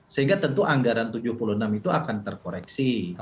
sehingga tentu anggaran tujuh puluh enam itu akan terkoreksi